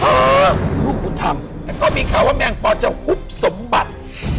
ฮ่าลูกกูทำแล้วก็มีข่าวว่าแม่งป่าจะหุบสมบัติ